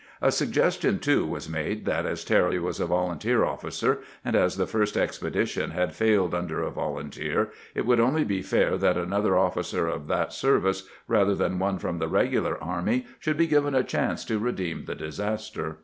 A suggestion, too, was made that as Terry was a volun teer officer, and as the first expedition had failed under a volunteer, it would only be fair that another officer of that service, rather than one from the regular army, should be given a chance to redeem the disaster.